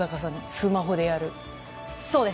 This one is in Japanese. スマホでやる？